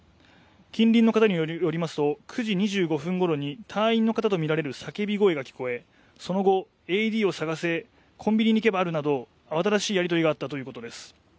近隣の方によりますと、９時２５分ごろに隊員の方とみられる叫び声が聞こえ、その後、ＡＥＤを探せ、コンビニに行けばあるなど慌ただしいやり取りがあったということです。